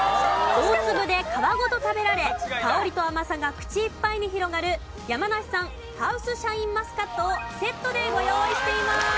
大粒で皮ごと食べられ香りと甘さが口いっぱいに広がる山梨産ハウスシャインマスカットをセットでご用意しています。